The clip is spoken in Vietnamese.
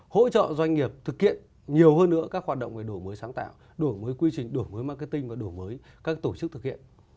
hỗ trợ doanh nghiệp thực hiện nhiều hơn nữa các hoạt động về đổi mới sáng tạo đổi mới quy trình đổi mới marketing và đổi mới các tổ chức thực hiện